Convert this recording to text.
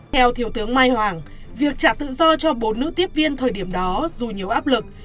theo thiếu tướng mai hoàng việc trả tự do cho bốn nữ tiếp viên thời điểm đó dù nhiều áp lực